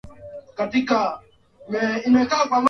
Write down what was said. imbuka nchini ugiriki mwaka wa elfu mbili na nane